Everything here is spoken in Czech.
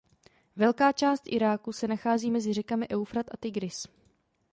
Velká část Iráku se nachází mezi řekami Eufrat a Tigris.